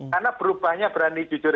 karena berubahnya berani jujur